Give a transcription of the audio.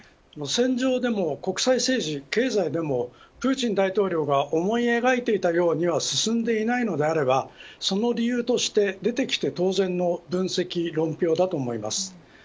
戦場でも、国際政治、経済でもプーチン大統領が思い描いていたようには進んでいないのであればその理由として出てきて当然の分析、論評だと思います。